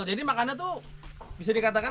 jadi makannya tuh bisa dikatakan